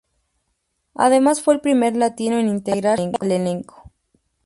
Además fue el primer latino en integrarse al elenco.